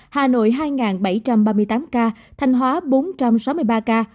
hà nội hai bảy trăm ba mươi tám ca thanh hóa bốn trăm sáu mươi ba ca